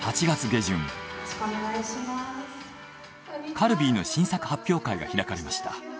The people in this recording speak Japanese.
カルビーの新作発表会が開かれました。